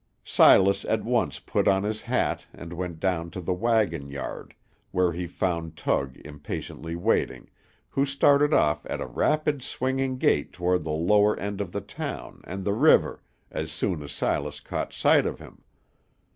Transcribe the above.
Silas at once put on his hat and went down to the wagon yard, where he found Tug impatiently waiting, who started off at a rapid swinging gait toward the lower end of the town and the river as soon as Silas caught sight of him.